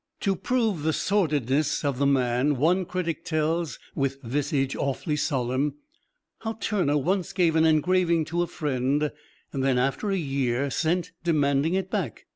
To prove the sordidness of the man, one critic tells, with visage awfully solemn, how Turner once gave an engraving to a friend and then, after a year, sent demanding it back.